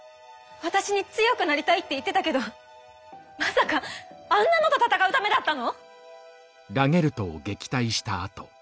私に「強くなりたい」って言ってたけどまさかあんなのと戦うためだったの？